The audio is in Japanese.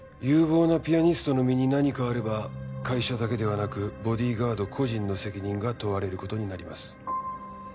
有望なピアニストの身に何かあれば会社だけではなくボディーガード個人の責任が問われる事になります。